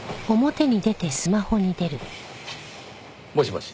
もしもし？